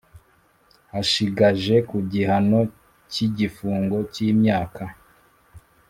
ashigaje ku gihano cy igifungo cy imyaka